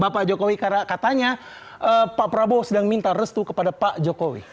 pak jokowi karena katanya pak prabowo sedang minta restu kepada pak jokowi